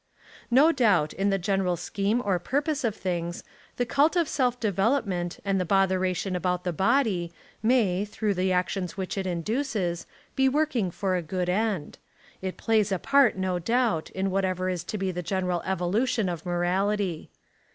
No doubt, in the general scheme or purpose of things the cult of self development and the botheration about the Body may, through the actions which It induces, be working for a good end. It plays a part, no doubt, in whatever is to be the general evolution of morality.